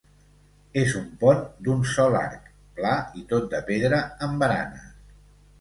És un pont d'un sol arc, pla i tot de pedra amb baranes.